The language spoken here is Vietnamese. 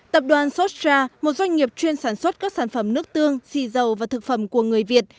tập đoàn sostra một doanh nghiệp chuyên sản xuất các sản phẩm nước tương xì dầu và thực phẩm của người việt